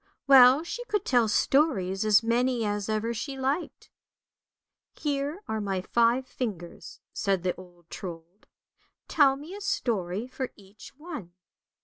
Well she could tell stories as many as ever she liked. " Here are my five fingers," said the old Trold, " tell me a story for each one."